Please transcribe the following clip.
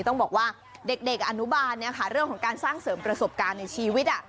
ต้องบอกว่าเด็กอนุบาลเนี่ยค่ะเรื่องของการสร้างเสริมประสบการณ์ในชีวิต